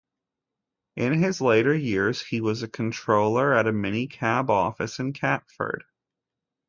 In his later years, he was a controller at a mini-cab office in Catford.